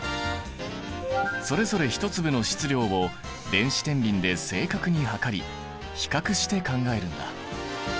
それぞれ１粒の質量を電子てんびんで正確に量り比較して考えるんだ。